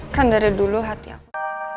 kan dari dulu hati aku